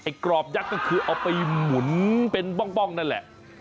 กรอบยักษ์ก็คือเอาไปหมุนเป็นป้องนั่นแหละ